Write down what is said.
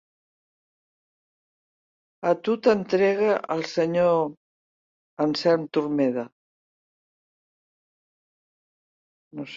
A tu t'entregue al senyor Anselm Turmeda.